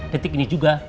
detik ini juga